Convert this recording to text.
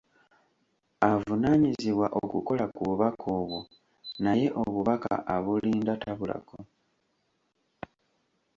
Avunaanyizibwa okukola ku bubaka obwo naye obubaka abulinda tabulabako.